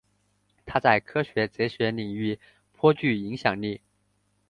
他在科学哲学领域颇具影响力。